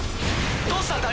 どうしたんだ？